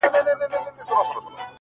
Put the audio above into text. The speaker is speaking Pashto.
ته مي کله هېره کړې يې!!